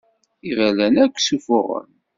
Iberdan akk sufuɣen.